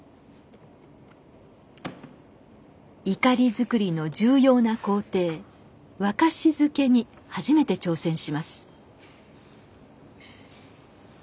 錨づくりの重要な工程沸かしづけに初めて挑戦します。